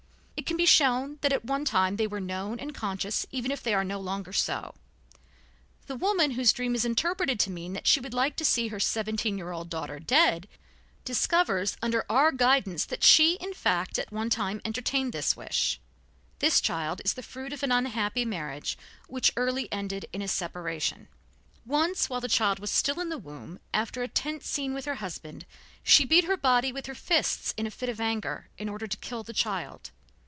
It can be shown that at one time they were known and conscious, even if they no longer are so. The woman, whose dream is interpreted to mean that she would like to see her seventeen year old daughter dead, discovers under our guidance that she in fact at one time entertained this wish. The child is the fruit of an unhappy marriage, which early ended in a separation. Once, while the child was still in the womb, and after a tense scene with her husband, she beat her body with her fists in a fit of anger, in order to kill the child.